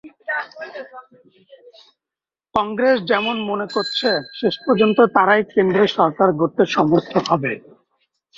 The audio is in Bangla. কংগ্রেস যেমন মনে করছে, শেষ পর্যন্ত তারাই কেন্দ্রে সরকার গড়তে সমর্থ হবে।